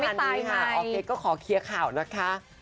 อันนี้ออกเก็ตก็ขอเคลียร์ข่าวนะคะ